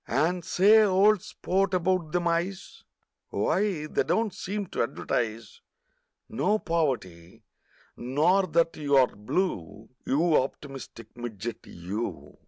And, say, old sport, about them eyes: Wye, they don't seem to advertise No poverty, nor that you're blue, You optimistic midget you!